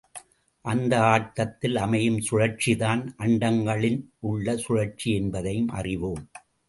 அந்த ஆட்டத்தில் அமையும் சுழற்சிதான், அண்டங்களில் உள்ள சுழற்சி என்பதையும் அறிவோம்.